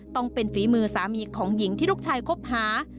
ต้องเป็นฝีมือสามีของหญิงที่ลูกชายคบหา